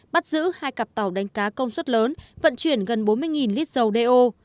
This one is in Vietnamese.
bắt giữ hai cặp tàu đánh cá công suất lớn vận chuyển gần bốn mươi lít dầu đeo